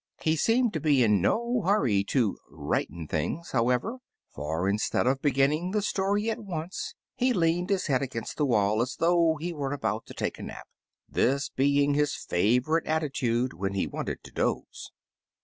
He seemed to be in no hurry to " righten'* things, however, for instead of beginning the story at once he leaned his head against the wall as though he were about to take a nap, this being his favorite attitude when he wanted to doze.